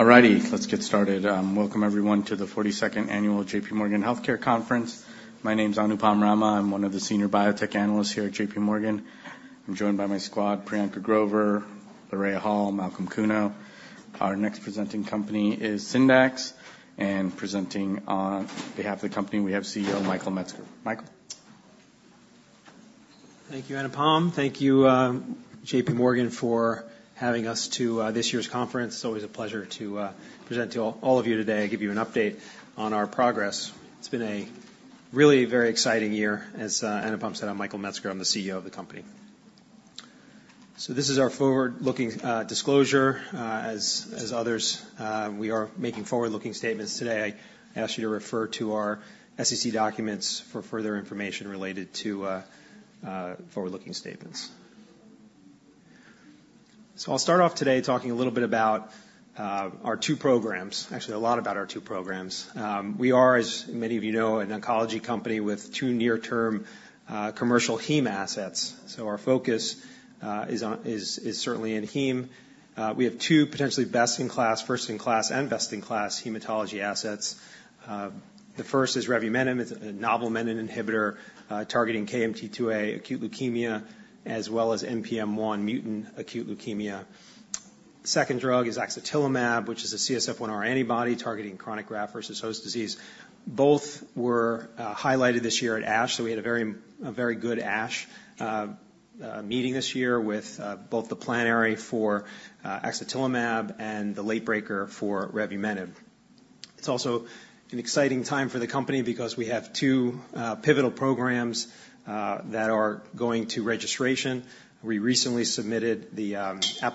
All righty, let's get started. Welcome everyone to the 40th annual J.P. Morgan Healthcare Conference. My name's Anupam Rama. I'm one of the Senior Biotech Analysts here at JPMorgan. I'm joined by my squad, Priyanka Grover, Lyra Hall, Malcolm Kuno. Our next presenting company is Syndax, and presenting on behalf of the company, we have CEO Michael Metzger. Michael? Thank you, Anupam. Thank you, JPMorgan, for having us to this year's conference. It's always a pleasure to present to all, all of you today and give you an update on our progress. It's been a really very exciting year. As Anupam said, I'm Michael Metzger, I'm the CEO of the company. So this is our forward-looking disclosure, as others, we are making forward-looking statements today. I ask you to refer to our SEC documents for further information related to forward-looking statements. So I'll start off today talking a little bit about our two programs, actually, a lot about our two programs. We are, as many of you know, an oncology company with two near-term commercial heme assets, so our focus is on-- is, is certainly in heme. We have two potentially best-in-class, first-in-class, and best-in-class hematology assets. The first is revumenib. It's a novel menin inhibitor targeting KMT2A acute leukemia, as well as NPM1 mutant acute leukemia. Second drug is axatilimab, which is a CSF-1R antibody targeting chronic graft-versus-host disease. Both were highlighted this year at ASH, so we had a very good ASH meeting this year with both the plenary for axatilimab and the late breaker for revumenib. It's also an exciting time for the company because we have two pivotal programs that are going to registration. We recently submitted the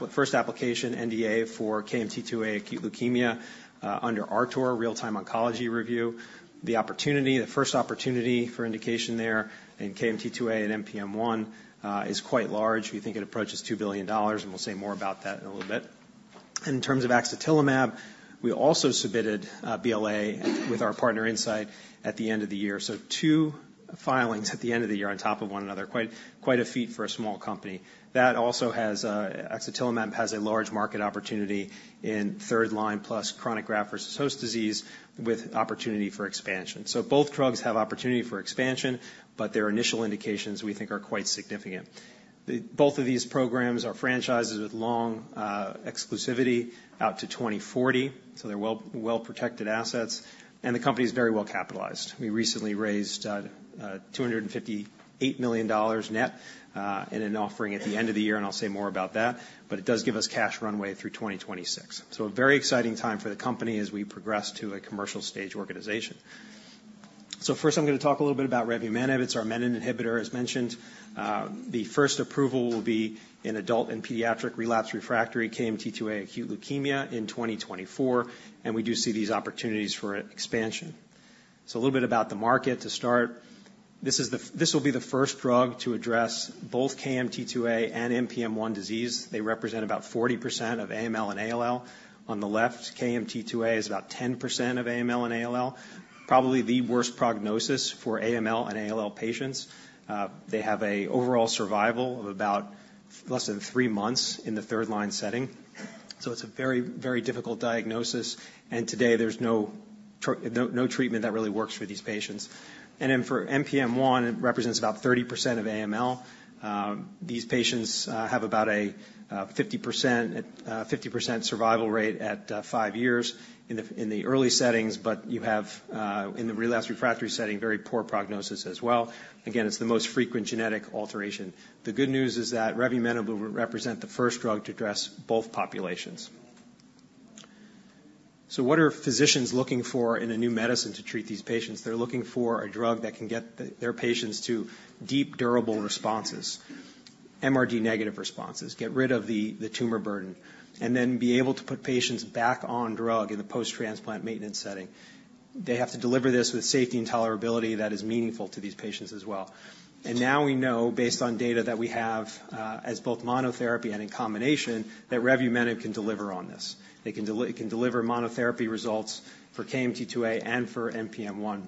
first application NDA for KMT2A acute leukemia under RTOR, Real-Time Oncology Review. The opportunity, the first opportunity for indication there in KMT2A and NPM1, is quite large. We think it approaches $2 billion, and we'll say more about that in a little bit. In terms of axatilimab, we also submitted a BLA with our partner, Incyte, at the end of the year. So two filings at the end of the year on top of one another, quite, quite a feat for a small company. That also has axatilimab has a large market opportunity in third-line plus chronic graft-versus-host disease, with opportunity for expansion. So both drugs have opportunity for expansion, but their initial indications, we think, are quite significant. Both of these programs are franchises with long exclusivity out to 2040, so they're well, well-protected assets, and the company is very well capitalized. We recently raised $258 million net in an offering at the end of the year, and I'll say more about that, but it does give us cash runway through 2026. So a very exciting time for the company as we progress to a commercial stage organization. So first, I'm gonna talk a little bit about revumenib. It's our menin inhibitor, as mentioned. The first approval will be in adult and pediatric relapsed/refractory KMT2A acute leukemia in 2024, and we do see these opportunities for expansion. So a little bit about the market to start. This is the-- this will be the first drug to address both KMT2A and NPM1 disease. They represent about 40% of AML and ALL. On the left, KMT2A is about 10% of AML and ALL, probably the worst prognosis for AML and ALL patients. They have an overall survival of about less than three months in the third-line setting. So it's a very, very difficult diagnosis, and today there's no treatment that really works for these patients. And then for NPM1, it represents about 30% of AML. These patients have about a 50%, 50% survival rate at five years in the early settings, but you have in the relapsed/refractory setting, very poor prognosis as well. Again, it's the most frequent genetic alteration. The good news is that revumenib will represent the first drug to address both populations. So what are physicians looking for in a new medicine to treat these patients? They're looking for a drug that can get their patients to deep, durable responses, MRD negative responses, get rid of the tumor burden, and then be able to put patients back on drug in the post-transplant maintenance setting. They have to deliver this with safety and tolerability that is meaningful to these patients as well. And now we know, based on data that we have, as both monotherapy and in combination, that revumenib can deliver on this. It can deliver monotherapy results for KMT2A and for NPM1.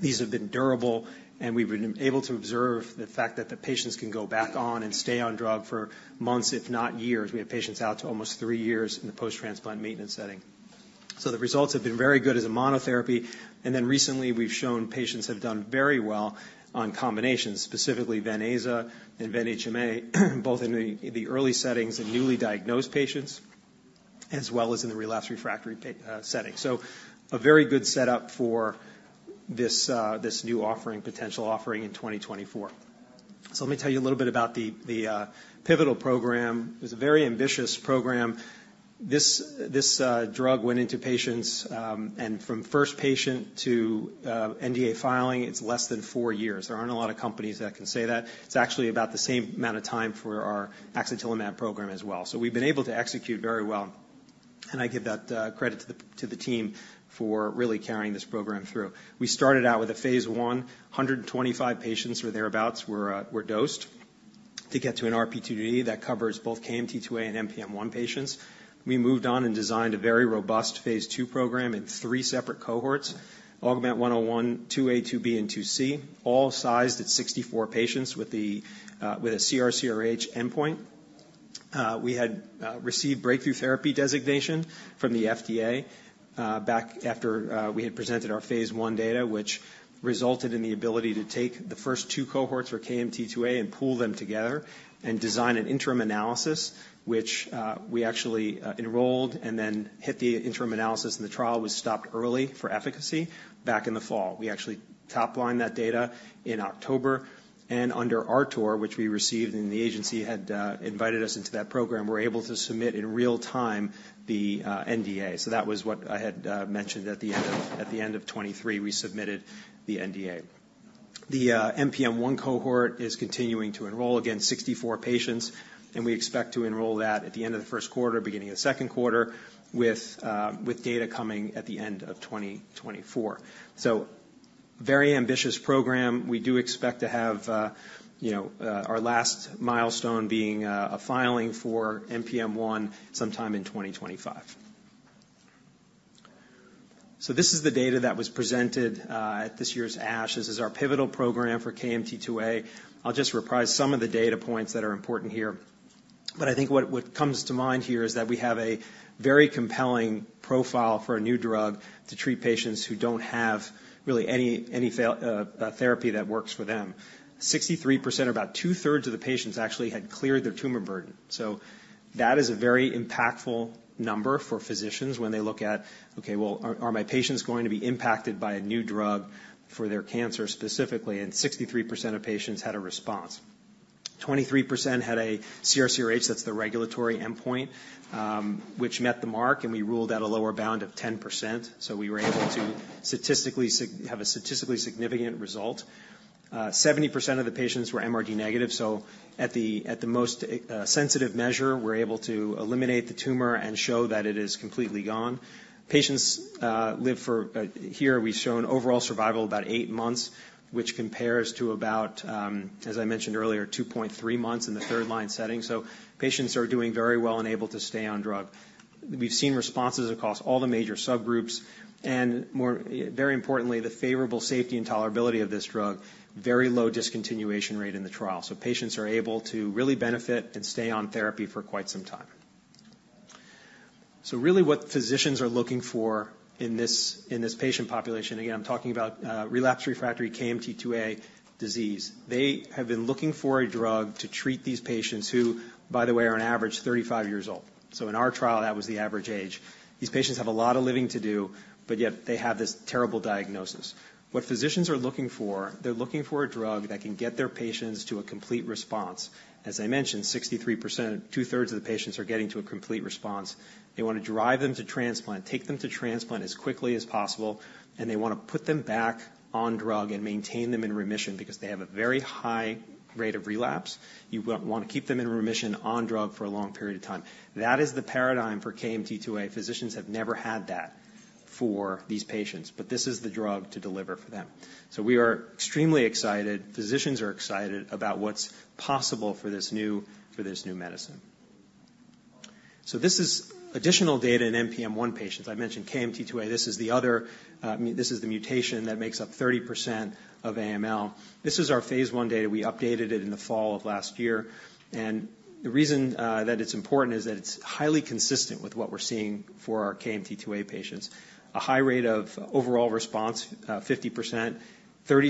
These have been durable, and we've been able to observe the fact that the patients can go back on and stay on drug for months, if not years. We have patients out to almost three years in the post-transplant maintenance setting. So the results have been very good as a monotherapy, and then recently, we've shown patients have done very well on combinations, specifically ven/aza and ven-HMA, both in the, in the early settings in newly diagnosed patients, as well as in the relapsed/refractory setting. So a very good setup for this, this new offering, potential offering in 2024. So let me tell you a little bit about the, the, pivotal program. It's a very ambitious program. This, this, drug went into patients, and from first patient to, NDA filing, it's less than four years. There aren't a lot of companies that can say that. It's actually about the same amount of time for our axatilimab program as well. So we've been able to execute very well, and I give that credit to the team for really carrying this program through. We started out with a phase I. 125 patients or thereabouts were dosed to get to an RP2D that covers both KMT2A and NPM1 patients. We moved on and designed a very robust phase II program in three separate cohorts, AUGMENT-101, 2A, 2B, and 2C, all sized at 64 patients with a CR/CRh endpoint. We had received breakthrough therapy designation from the FDA back after we had presented our phase I data, which resulted in the ability to take the first two cohorts for KMT2A and pool them together and design an interim analysis, which we actually enrolled and then hit the interim analysis, and the trial was stopped early for efficacy back in the fall. We actually top-lined that data in October and under RTOR, which we received, and the agency had invited us into that program. We're able to submit in real time the NDA. So that was what I had mentioned at the end of 2023. We submitted the NDA. The NPM1 cohort is continuing to enroll, again, 64 patients, and we expect to enroll that at the end of the first quarter, beginning of the second quarter, with data coming at the end of 2024. So very ambitious program. We do expect to have, you know, our last milestone being a filing for NPM1 sometime in 2025. So this is the data that was presented at this year's ASH. This is our pivotal program for KMT2A. I'll just reprise some of the data points that are important here. But I think what comes to mind here is that we have a very compelling profile for a new drug to treat patients who don't have really any failed therapy that works for them. 63%, or about 2/3 of the patients, actually had cleared their tumor burden. So that is a very impactful number for physicians when they look at, "Okay, well, are my patients going to be impacted by a new drug for their cancer specifically?" And 63% of patients had a response. 23% had a CR/CRh, that's the regulatory endpoint, which met the mark, and we ruled out a lower bound of 10%. So we were able to have a statistically significant result. 70% of the patients were MRD negative, so at the most sensitive measure, we're able to eliminate the tumor and show that it is completely gone. Patients live for, here we've shown overall survival about eight months, which compares to about, as I mentioned earlier, 2.3 months in the third-line setting. So patients are doing very well and able to stay on drug. We've seen responses across all the major subgroups, and more, very importantly, the favorable safety and tolerability of this drug, very low discontinuation rate in the trial. So patients are able to really benefit and stay on therapy for quite some time. So really what physicians are looking for in this, in this patient population, again, I'm talking about relapsed refractory KMT2A disease. They have been looking for a drug to treat these patients who, by the way, are on average 35 years old. So in our trial, that was the average age. These patients have a lot of living to do, but yet they have this terrible diagnosis. What physicians are looking for, they're looking for a drug that can get their patients to a complete response. As I mentioned, 63%, 2/3 of the patients are getting to a complete response. They want to drive them to transplant, take them to transplant as quickly as possible, and they want to put them back on drug and maintain them in remission, because they have a very high rate of relapse. You want to keep them in remission on drug for a long period of time. That is the paradigm for KMT2A. Physicians have never had that for these patients, but this is the drug to deliver for them. So we are extremely excited. Physicians are excited about what's possible for this new, for this new medicine. So this is additional data in NPM1 patients. I mentioned KMT2A. This is the other, this is the mutation that makes up 30% of AML. This is our phase I data. We updated it in the fall of last year, and the reason that it's important is that it's highly consistent with what we're seeing for our KMT2A patients. A high rate of overall response, 50%, 36%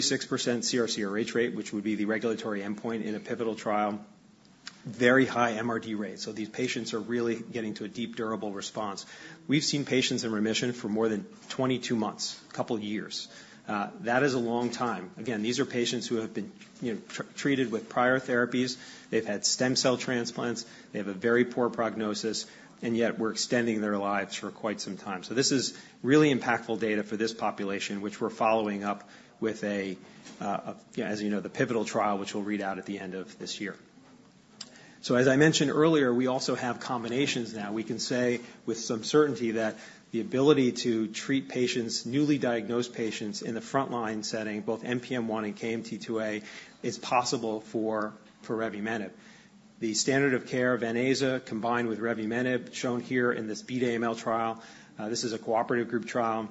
CR/CRh rate, which would be the regulatory endpoint in a pivotal trial, very high MRD rate. So these patients are really getting to a deep, durable response. We've seen patients in remission for more than 22 months, a couple years. That is a long time. Again, these are patients who have been, you know, treated with prior therapies. They've had stem cell transplants. They have a very poor prognosis, and yet we're extending their lives for quite some time. So this is really impactful data for this population, which we're following up with a, as you know, the pivotal trial, which we'll read out at the end of this year. So as I mentioned earlier, we also have combinations now. We can say with some certainty that the ability to treat patients, newly diagnosed patients in the frontline setting, both NPM1 and KMT2A, is possible for revumenib. The standard of care, ven/aza, combined with revumenib, shown here in this BEAT AML trial. This is a cooperative group trial.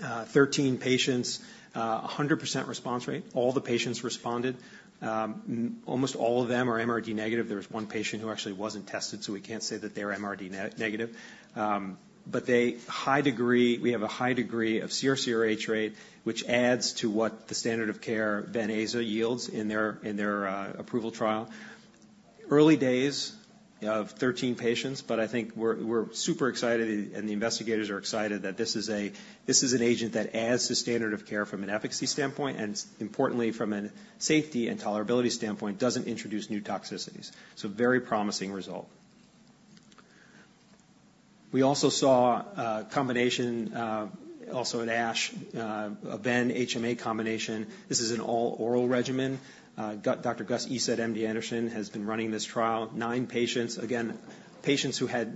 13 patients, a 100% response rate, all the patients responded. Almost all of them are MRD negative. There was one patient who actually wasn't tested, so we can't say that they are MRD negative. But they have a high degree of CR/CRh rate, which adds to what the standard of care, ven/aza, yields in their approval trial. Early days of 13 patients, but I think we're super excited, and the investigators are excited that this is an agent that adds to standard of care from an efficacy standpoint, and importantly, from a safety and tolerability standpoint, doesn't introduce new toxicities. So very promising result. We also saw a combination also at ASH, a ven-HMA combination. This is an all-oral regimen. Dr. Ghayas Issa, MD Anderson, has been running this trial. 9 patients, again, patients who had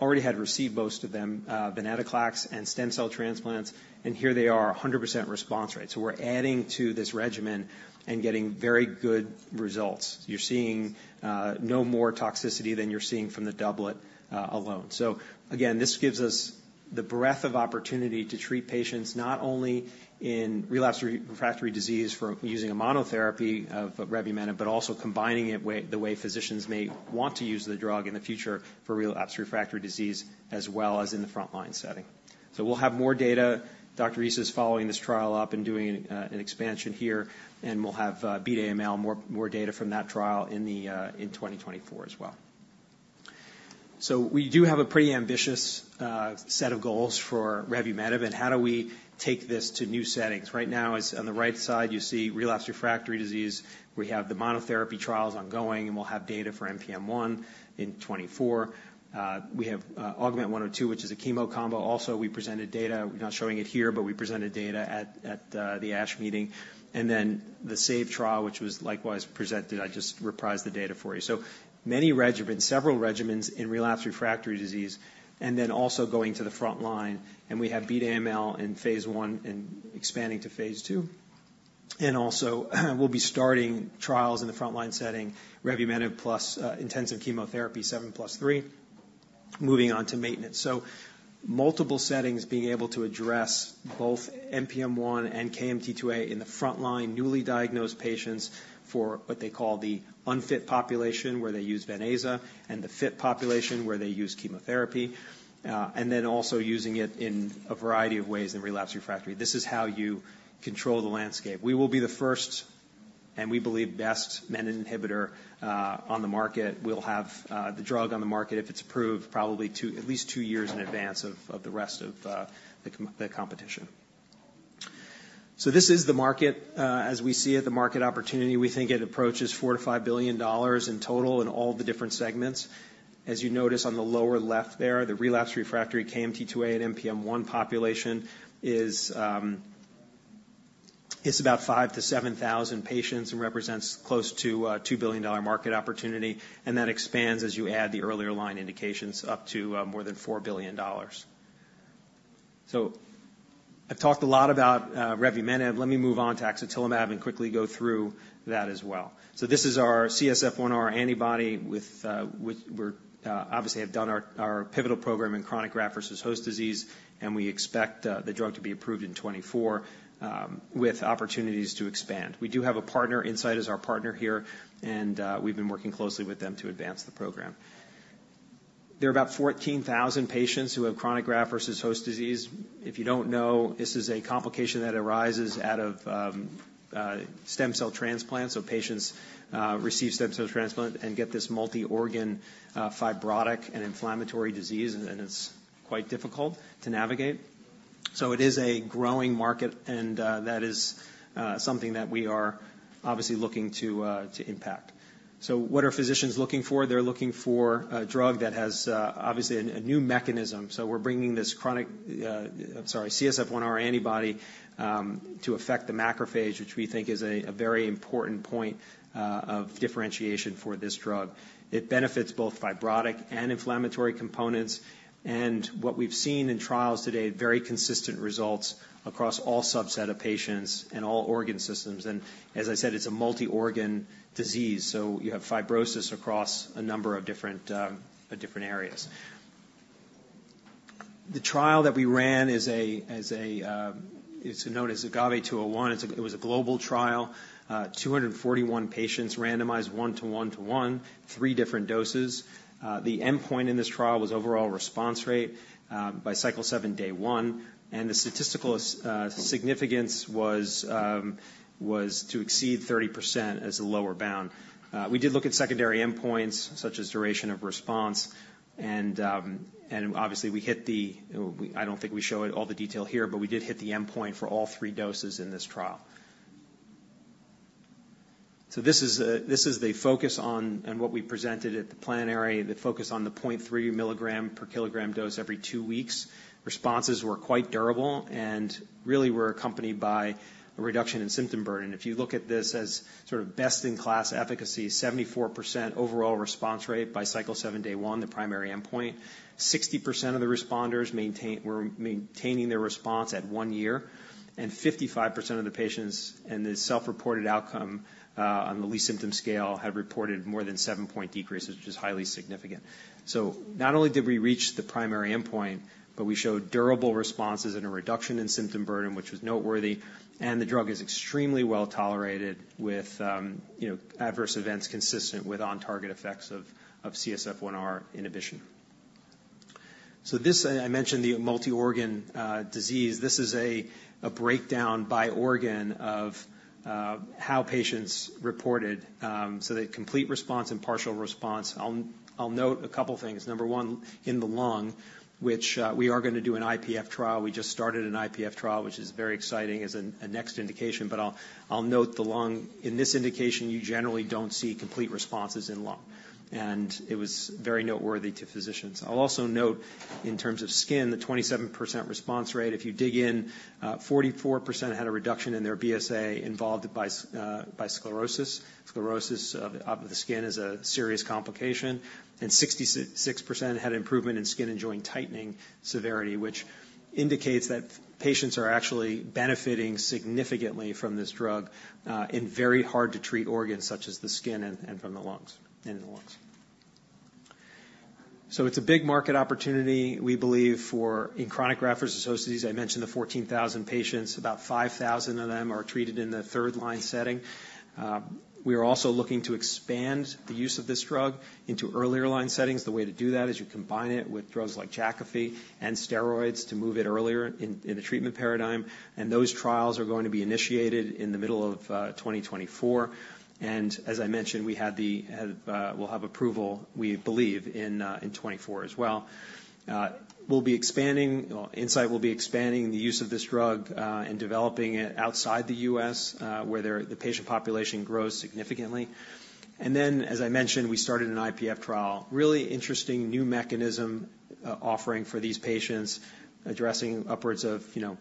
already received, most of them, venetoclax and stem cell transplants, and here they are, 100% response rate. So we're adding to this regimen and getting very good results. You're seeing no more toxicity than you're seeing from the doublet alone. So again, this gives us the breadth of opportunity to treat patients, not only in relapsed refractory disease from using a monotherapy of revumenib, but also combining it the way physicians may want to use the drug in the future for relapsed refractory disease, as well as in the frontline setting. So we'll have more data. Dr. Issa is following this trial up and doing an expansion here, and we'll have BEAT AML, more data from that trial in 2024 as well. So we do have a pretty ambitious set of goals for revumenib, and how do we take this to new settings? Right now, as on the right side, you see relapsed refractory disease. We have the monotherapy trials ongoing, and we'll have data for NPM1 in 2024. We have AUGMENT-102, which is a chemo combo. Also, we presented data, we're not showing it here, but we presented data at the ASH meeting, and then the SAVE trial, which was likewise presented. I just reprised the data for you. So many regimens, several regimens in relapsed refractory disease, and then also going to the frontline, and we have BEAT AML in phase I and expanding to phase II. And also, we'll be starting trials in the frontline setting, revumenib plus intensive chemotherapy 7+3, moving on to maintenance. So multiple settings being able to address both NPM1 and KMT2A in the frontline, newly diagnosed patients for what they call the unfit population, where they use ven/aza, and the fit population, where they use chemotherapy, and then also using it in a variety of ways in relapsed refractory. This is how you control the landscape. We will be the first, and we believe, best menin inhibitor on the market. We'll have the drug on the market if it's approved, probably two, at least two years in advance of the rest of the competition. So this is the market as we see it, the market opportunity. We think it approaches $4 billion-$5 billion in total in all the different segments. As you notice on the lower left there, the relapsed refractory KMT2A and NPM1 population is, it's about 5,000-7,000 patients and represents close to $2 billion market opportunity, and that expands as you add the earlier line indications up to more than $4 billion. So I've talked a lot about revumenib. Let me move on to axatilimab and quickly go through that as well. So this is our CSF-1R antibody with, with we're obviously have done our, our pivotal program in chronic graft-versus-host disease, and we expect the drug to be approved in 2024 with opportunities to expand. We do have a partner, Incyte is our partner here, and we've been working closely with them to advance the program. There are about 14,000 patients who have chronic graft-versus-host disease. If you don't know, this is a complication that arises out of stem cell transplants. So patients receive stem cell transplant and get this multi-organ fibrotic and inflammatory disease, and it's quite difficult to navigate. So it is a growing market, and that is something that we are obviously looking to to impact. So what are physicians looking for? They're looking for a drug that has obviously a a new mechanism. So we're bringing this chronic, I'm sorry, CSF-1R antibody to affect the macrophage, which we think is a a very important point of differentiation for this drug. It benefits both fibrotic and inflammatory components, and what we've seen in trials today, very consistent results across all subset of patients and all organ systems. As I said, it's a multi-organ disease, so you have fibrosis across a number of different areas. The trial that we ran is known as AGAVE-201. It was a global trial, 241 patients randomized one-to-one to one, three different doses. The endpoint in this trial was overall response rate by cycle 7 day 1, and the statistical significance was to exceed 30% as a lower bound. We did look at secondary endpoints, such as duration of response, and obviously we hit the endpoint. I don't think we show it all the detail here, but we did hit the endpoint for all three doses in this trial. So this is, this is the focus on and what we presented at the plenary, the focus on the 0.3 mg/kg dose every two weeks. Responses were quite durable and really were accompanied by a reduction in symptom burden. If you look at this as sort of best-in-class efficacy, 74% overall response rate by cycle 7 day 1, the primary endpoint. 60% of the responders were maintaining their response at one year, and 55% of the patients in the self-reported outcome, on the Lee Symptom Scale, have reported more than seven-point decreases, which is highly significant. So not only did we reach the primary endpoint, but we showed durable responses and a reduction in symptom burden, which was noteworthy. And the drug is extremely well-tolerated with, you know, adverse events consistent with on-target effects of CSF-1R inhibition. So this, I mentioned the multi-organ disease. This is a breakdown by organ of how patients reported so the complete response and partial response. I'll note a couple things. Number one, in the lung, which we are gonna do an IPF trial. We just started an IPF trial, which is very exciting as a next indication, but I'll note the lung. In this indication, you generally don't see complete responses in lung, and it was very noteworthy to physicians. I'll also note, in terms of skin, the 27% response rate. If you dig in, 44% had a reduction in their BSA involved by sclerosis. Sclerosis of the skin is a serious complication, and 66% had improvement in skin and joint tightening severity, which-... Indicates that patients are actually benefiting significantly from this drug in very hard-to-treat organs, such as the skin and from the lungs, in the lungs. So it's a big market opportunity, we believe, for chronic graft-versus-host disease. I mentioned the 14,000 patients, about 5,000 of them are treated in the third-line setting. We are also looking to expand the use of this drug into earlier line settings. The way to do that is you combine it with drugs like Jakafi and steroids to move it earlier in the treatment paradigm, and those trials are going to be initiated in the middle of 2024. And as I mentioned, we'll have approval, we believe, in 2024 as well. We'll be expanding—well, Incyte will be expanding the use of this drug, and developing it outside the U.S., where the patient population grows significantly. And then, as I mentioned, we started an IPF trial. Really interesting new mechanism, offering for these patients, addressing upwards of, you know,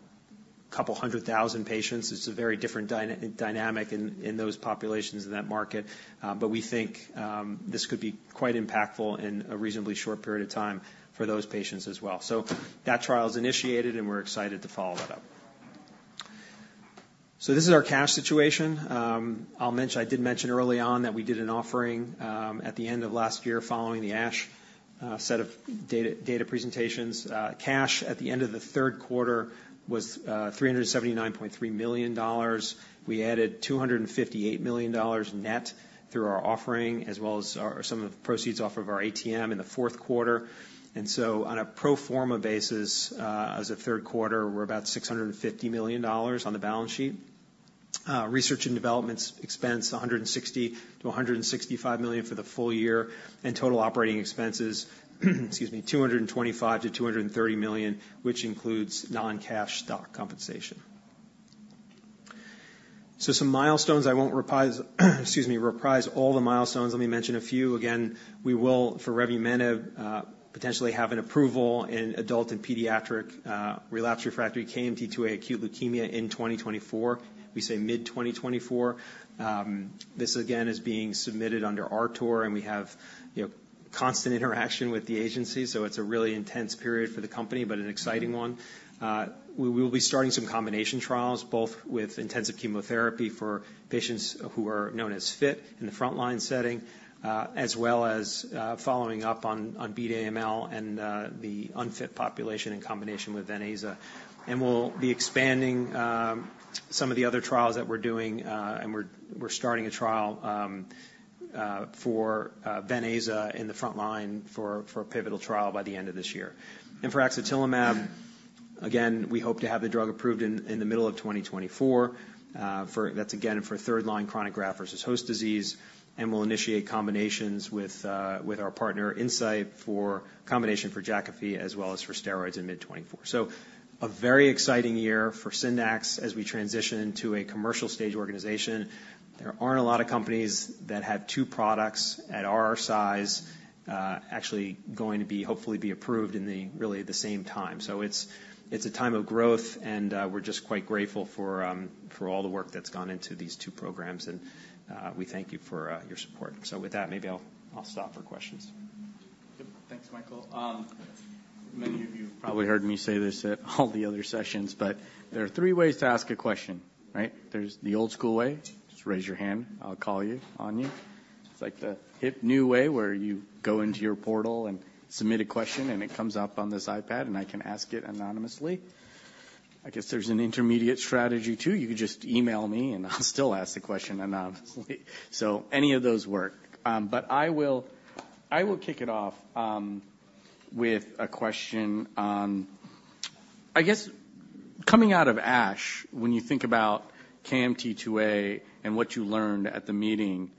200,000 patients. It's a very different dynamic in those populations in that market, but we think this could be quite impactful in a reasonably short period of time for those patients as well. So that trial is initiated, and we're excited to follow that up. So this is our cash situation. I'll mention... I did mention early on that we did an offering, at the end of last year, following the ASH set of data presentations. Cash at the end of the third quarter was $379.3 million. We added $258 million net through our offering, as well as some of the proceeds off of our ATM in the fourth quarter. And so on a pro forma basis, as of third quarter, we're about $650 million on the balance sheet. Research and development's expense, $160 million-$165 million for the full year, and total operating expenses, excuse me, $225 million-$230 million, which includes non-cash stock compensation. So some milestones, I won't reprise, excuse me, reprise all the milestones. Let me mention a few. Again, we will, for revumenib, potentially have an approval in adult and pediatric, relapsed refractory KMT2A acute leukemia in 2024. We say mid-2024. This again, is being submitted under RTOR, and we have, you know, constant interaction with the agency, so it's a really intense period for the company, but an exciting one. We, we will be starting some combination trials, both with intensive chemotherapy for patients who are known as fit in the frontline setting, as well as, following up on, on BEAT AML and, the unfit population in combination with ven/aza. And we'll be expanding, some of the other trials that we're doing, and we're, we're starting a trial, for, ven/aza in the front line for, for a pivotal trial by the end of this year. For axatilimab, again, we hope to have the drug approved in the middle of 2024. That's again, for third-line chronic graft-versus-host disease, and we'll initiate combinations with our partner, Incyte, for combination for Jakafi as well as for steroids in mid-2024. So a very exciting year for Syndax as we transition to a commercial-stage organization. There aren't a lot of companies that have two products at our size, actually going to be hopefully approved in really the same time. So it's a time of growth, and we're just quite grateful for all the work that's gone into these two programs, and we thank you for your support. So with that, maybe I'll stop for questions. Yep. Thanks, Michael. Many of you have probably heard me say this at all the other sessions, but there are three ways to ask a question, right? There's the old school way. Just raise your hand, I'll call you, on you. It's like the hip, new way, where you go into your portal and submit a question, and it comes up on this iPad, and I can ask it anonymously. I guess there's an intermediate strategy too. You could just email me, and I'll still ask the question anonymously. So any of those work. But I will, I will kick it off, with a question on... I guess, coming out of ASH, when you think about KMT2A and what you learned at the meeting,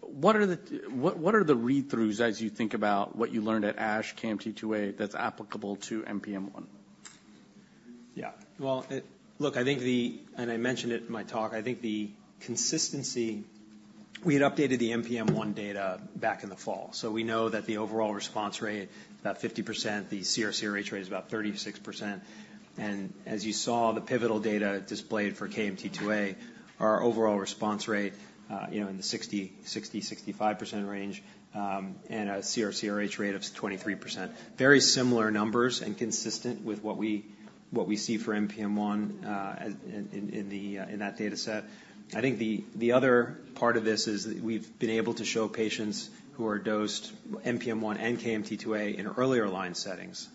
what are the, what are the read-throughs as you think about what you learned at ASH KMT2A that's applicable to NPM1? Yeah. Well, look, I think the, and I mentioned it in my talk, I think the consistency, we had updated the NPM1 data back in the fall, so we know that the overall response rate, about 50%, the CR/CRh rate is about 36%. And as you saw, the pivotal data displayed for KMT2A, our overall response rate in the 60%-65% range, and a CR/CRh rate of 23%. Very similar numbers and consistent with what we see for NPM1 in that data set. I think the other part of this is that we've been able to show patients who are dosed NPM1 and KMT2A in earlier line settings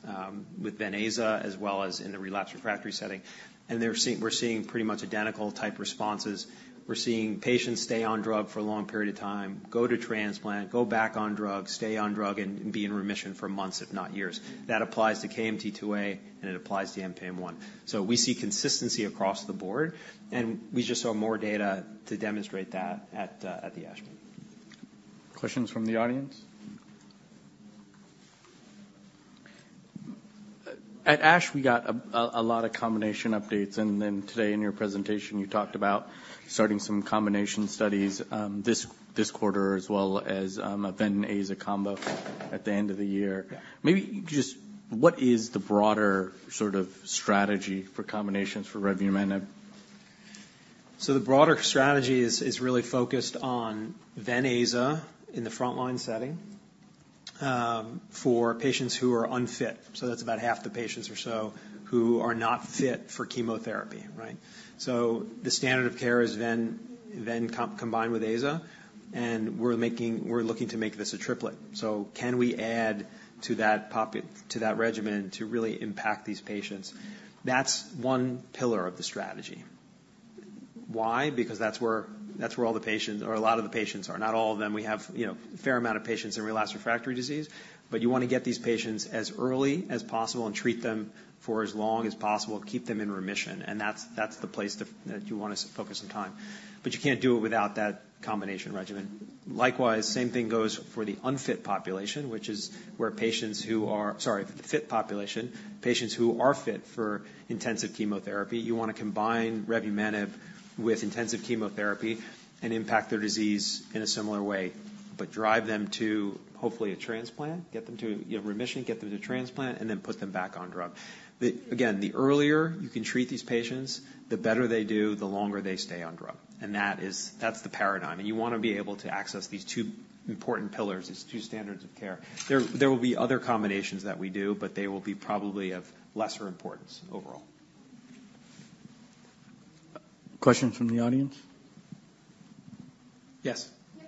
with ven/aza, as well as in the relapsed refractory setting, and we're seeing pretty much identical type responses. We're seeing patients stay on drug for a long period of time, go to transplant, go back on drug, stay on drug, and be in remission for months, if not years. That applies to KMT2A, and it applies to NPM1. So we see consistency across the board, and we just saw more data to demonstrate that at the, at the ASH meeting. Questions from the audience? At ASH, we got a lot of combination updates, and then today in your presentation, you talked about starting some combination studies, this quarter, as well as a ven/aza combo at the end of the year. Yeah. Maybe just what is the broader sort of strategy for combinations for revumenib? So the broader strategy is really focused on ven/aza in the frontline setting for patients who are unfit. So that's about half the patients or so who are not fit for chemotherapy, right? So the standard of care is then combined with aza, and we're looking to make this a triplet. So can we add to that regimen to really impact these patients? That's one pillar of the strategy. Why? Because that's where all the patients or a lot of the patients are, not all of them. We have, you know, a fair amount of patients in relapsed refractory disease, but you want to get these patients as early as possible and treat them for as long as possible, keep them in remission, and that's the place to that you want to focus on time. But you can't do it without that combination regimen. Likewise, same thing goes for the unfit population, which is where patients who are... Sorry, the fit population, patients who are fit for intensive chemotherapy. You want to combine revumenib with intensive chemotherapy and impact their disease in a similar way, but drive them to hopefully a transplant, get them to, you know, remission, get them to transplant, and then put them back on drug. The, again, earlier you can treat these patients, the better they do, the longer they stay on drug. And that's the paradigm, and you want to be able to access these two important pillars, these two standards of care. There will be other combinations that we do, but they will be probably of lesser importance overall. Questions from the audience? Yes. Yeah.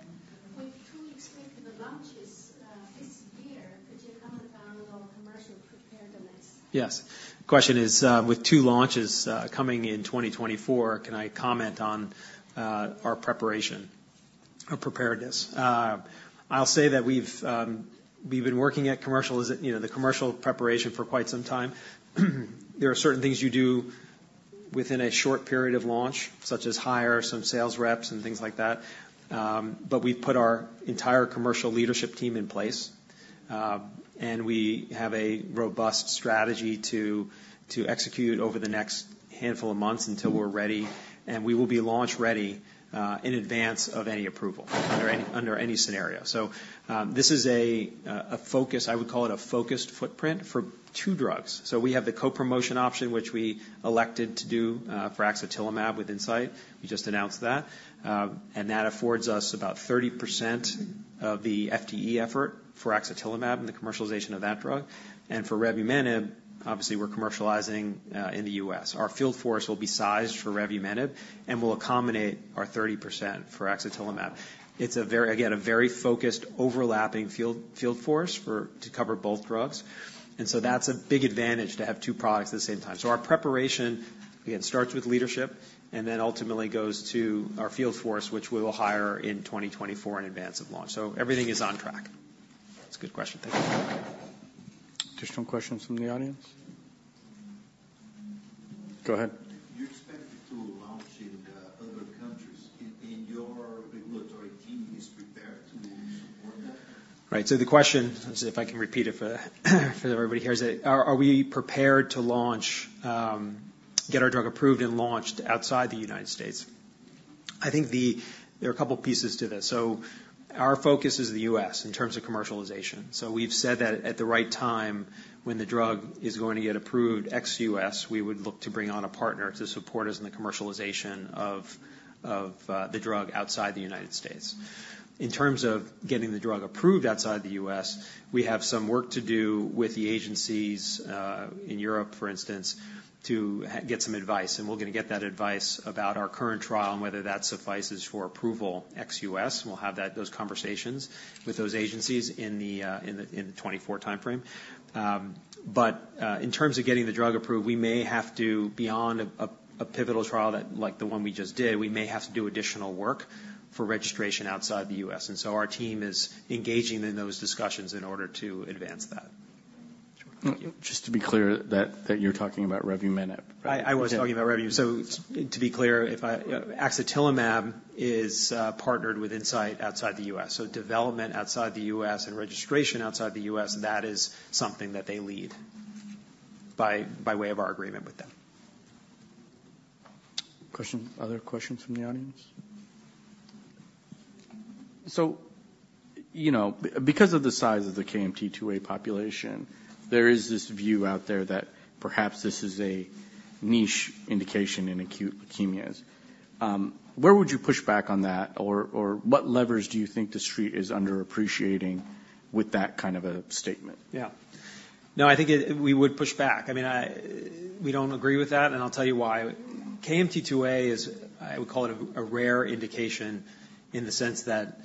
With two weeks left to the launches, this year, could you comment on your commercial preparedness? Yes. The question is, with two launches coming in 2024, can I comment on our preparation or preparedness? I'll say that we've been working at commercial as at, you know, the commercial preparation for quite some time. There are certain things you do within a short period of launch, such as hire some sales reps and things like that. But we've put our entire commercial leadership team in place, and we have a robust strategy to execute over the next handful of months until we're ready, and we will be launch-ready in advance of any approval, under any scenario. So, this is a focus—I would call it a focused footprint for two drugs. So we have the co-promotion option, which we elected to do, for axatilimab with Incyte. We just announced that. And that affords us about 30% of the FTE effort for axatilimab and the commercialization of that drug. And for revumenib, obviously, we're commercializing in the U.S. Our field force will be sized for revumenib, and we'll accommodate our 30% for axatilimab. It's a very, again, a very focused, overlapping field, field force for to cover both drugs. And so that's a big advantage to have two products at the same time. So our preparation, again, starts with leadership and then ultimately goes to our field force, which we will hire in 2024 in advance of launch. So everything is on track. That's a good question. Thank you. Additional questions from the audience? Go ahead. You expect to launch in other countries. And your regulatory team is prepared to support that? Right. So the question, if I can repeat it for everybody here, is that, are we prepared to launch, get our drug approved and launched outside the United States? I think the... There are a couple pieces to this. So our focus is the U.S. in terms of commercialization. So we've said that at the right time, when the drug is going to get approved ex-U.S., we would look to bring on a partner to support us in the commercialization of the drug outside the United States. In terms of getting the drug approved outside the U.S., we have some work to do with the agencies in Europe, for instance, to get some advice, and we're gonna get that advice about our current trial and whether that suffices for approval ex-U.S. We'll have that, those conversations with those agencies in the 2024 timeframe. But in terms of getting the drug approved, we may have to, beyond a pivotal trial that, like the one we just did, we may have to do additional work for registration outside the U.S. And so our team is engaging in those discussions in order to advance that. Just to be clear, that you're talking about revumenib? I was talking about revumenib. So to be clear, axatilimab is partnered with Incyte outside the U.S.. So development outside the U.S. and registration outside the U.S., that is something that they lead by way of our agreement with them. Question. Other questions from the audience? So, you know, because of the size of the KMT2A population, there is this view out there that perhaps this is a niche indication in acute leukemias. Where would you push back on that, or, or what levers do you think the Street is underappreciating with that kind of a statement? Yeah. No, I think we would push back. I mean, we don't agree with that, and I'll tell you why. KMT2A is, I would call it a rare indication in the sense that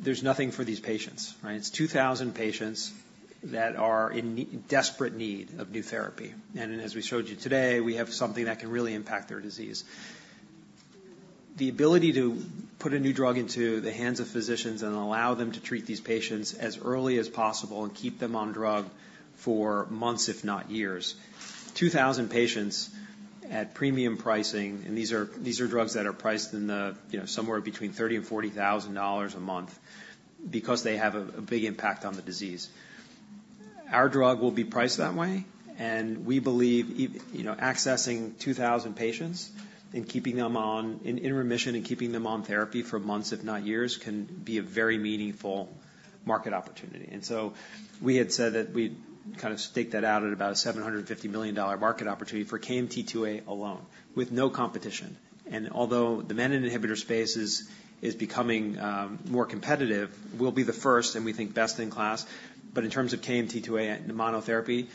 there's nothing for these patients, right? It's 2,000 patients that are in desperate need of new therapy. And as we showed you today, we have something that can really impact their disease. The ability to put a new drug into the hands of physicians and allow them to treat these patients as early as possible and keep them on drug for months, if not years. 2,000 patients at premium pricing, and these are drugs that are priced in the, you know, somewhere between $30,000-$40,000 a month because they have a big impact on the disease. Our drug will be priced that way, and we believe even you know, accessing 2,000 patients and keeping them in remission and keeping them on therapy for months, if not years, can be a very meaningful market opportunity. And so we had said that we'd kind of stake that out at about a $750 million market opportunity for KMT2A alone, with no competition. And although the menin inhibitor space is becoming more competitive, we'll be the first, and we think, best in class. But in terms of KMT2A in monotherapy,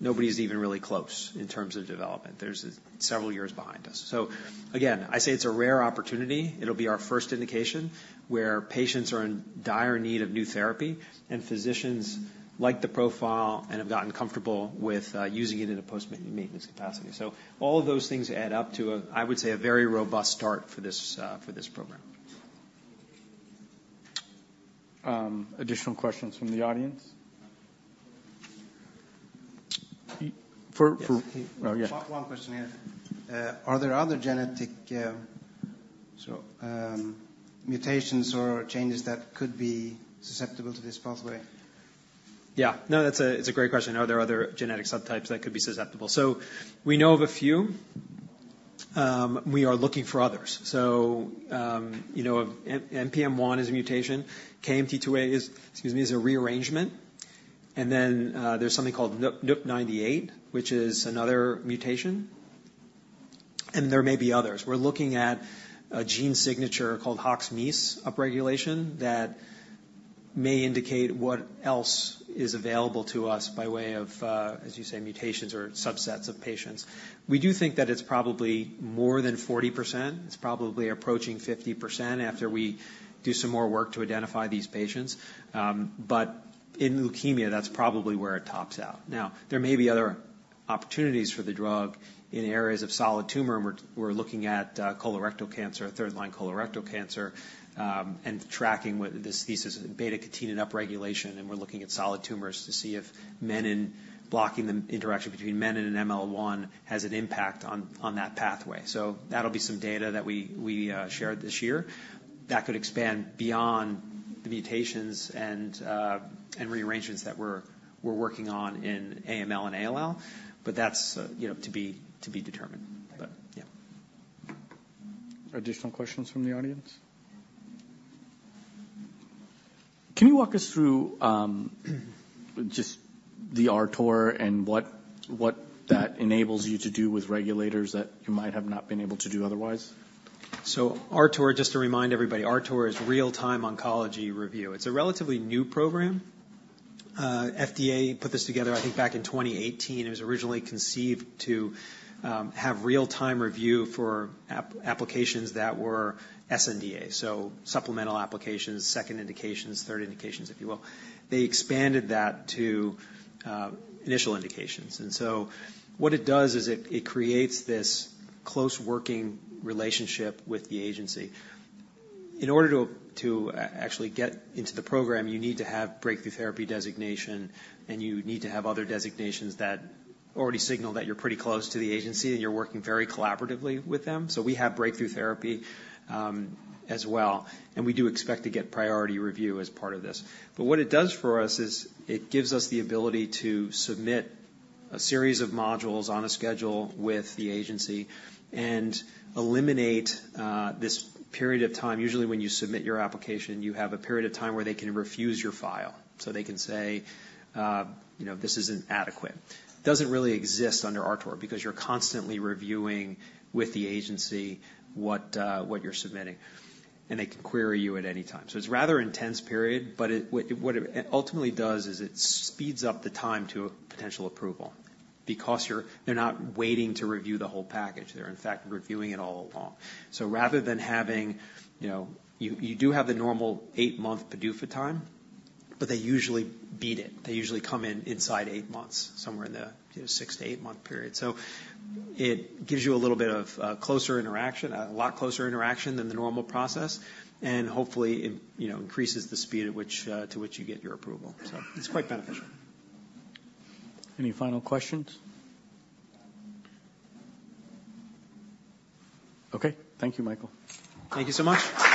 nobody's even really close in terms of development. They're just several years behind us. So again, I say it's a rare opportunity. It'll be our first indication, where patients are in dire need of new therapy, and physicians like the profile and have gotten comfortable with using it in a post-maintenance capacity. So all of those things add up to a, I would say, a very robust start for this for this program. Additional questions from the audience? Oh, yeah. One question here. Are there other genetic mutations or changes that could be susceptible to this pathway? Yeah. No, that's a, it's a great question. Are there other genetic subtypes that could be susceptible? So we know of a few. We are looking for others. So, you know, NPM1 is a mutation. KMT2A is, excuse me, is a rearrangement, and then, there's something called NUP98, which is another mutation. And there may be others. We're looking at a gene signature called HOX/MEIS upregulation, that may indicate what else is available to us by way of, as you say, mutations or subsets of patients. We do think that it's probably more than 40%. It's probably approaching 50% after we do some more work to identify these patients. But in leukemia, that's probably where it tops out. Now, there may be other opportunities for the drug in areas of solid tumor, and we're looking at colorectal cancer, a third-line colorectal cancer, and tracking with this thesis, beta-catenin upregulation, and we're looking at solid tumors to see if menin blocking the interaction between menin and MLL has an impact on that pathway. So that'll be some data that we share this year. That could expand beyond the mutations and rearrangements that we're working on in AML and ALL, but that's, you know, to be determined. But yeah. Additional questions from the audience? Can you walk us through, just the RTOR and what that enables you to do with regulators that you might have not been able to do otherwise? So RTOR, just to remind everybody, RTOR is Real-Time Oncology Review. It's a relatively new program. FDA put this together, I think, back in 2018. It was originally conceived to have real-time review for applications that were sNDA, so supplemental applications, second indications, third indications, if you will. They expanded that to initial indications. And so what it does is it creates this close working relationship with the agency. In order to actually get into the program, you need to have breakthrough therapy designation, and you need to have other designations that already signal that you're pretty close to the agency and you're working very collaboratively with them. So we have breakthrough therapy as well, and we do expect to get priority review as part of this. But what it does for us is it gives us the ability to submit a series of modules on a schedule with the agency and eliminate this period of time. Usually, when you submit your application, you have a period of time where they can refuse your file. So they can say, you know, "This isn't adequate." It doesn't really exist under RTOR because you're constantly reviewing with the agency what you're submitting, and they can query you at any time. So it's a rather intense period, but what it ultimately does is it speeds up the time to potential approval because you're—they're not waiting to review the whole package. They're, in fact, reviewing it all along. So rather than having, you know... You do have the normal eight-month PDUFA time, but they usually beat it. They usually come in inside eight months, somewhere in the, you know, six to eight-month period. So it gives you a little bit of, closer interaction, a lot closer interaction than the normal process, and hopefully, it, you know, increases the speed at which, to which you get your approval. So it's quite beneficial. Any final questions? Okay. Thank you, Michael. Thank you so much.